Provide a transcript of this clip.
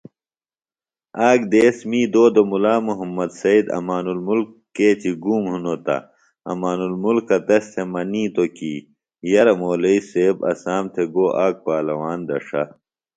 آک دیس می دودوۡ مُلا محمد سید امان الملک کیچیۡ گُوم ہِنوۡ تہ امان المُلکہ تس تھےۡ منِیتوۡ کی یرہ مولئیۡ سیب اسام تھےۡ گو آک پالواݨ دڇھہ